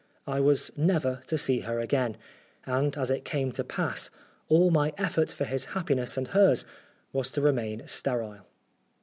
I was never to see her again ; and as it came to pas's, all my effort for his happiness and hers was to remain sterile.